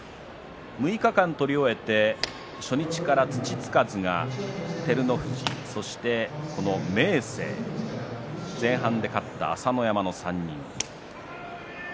６日間、取り終えて初日から土つかずが照ノ富士、そしてこの明生前半で勝った朝乃山の３人です。